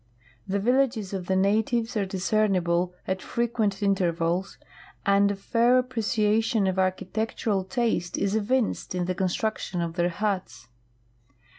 The villages of the natives are discernible at frequent intervals, and a fair appreciation of archi tectural taste is evinced in the construction of their huts.